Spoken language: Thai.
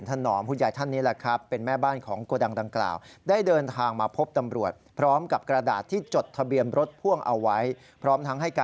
พร้อมทั้งให้การว่าตนเองนั้นกำลังจะเดินกลับเข้าไป